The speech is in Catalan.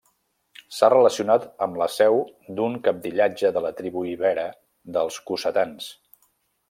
S'ha relacionat amb la seu d'un cabdillatge de la tribu ibera dels cossetans.